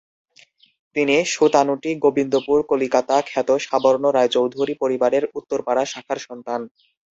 তিনি সুতানুটি-গোবিন্দপুর-কলিকাতা খ্যাত সাবর্ণ রায়চৌধুরী পরিবারের উত্তরপাড়া শাখার সন্তান।